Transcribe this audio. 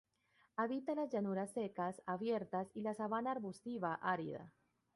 Habita las llanuras secas abiertas y la sabana arbustiva árida.